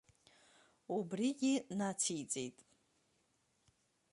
Убригьы нациҵеит.